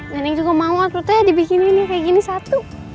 neneng juga mau tuh teh dibikinin kayak gini satu